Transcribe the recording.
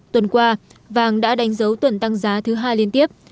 tuần qua vàng đã đánh dấu tuần tăng giá thứ hai liên tiếp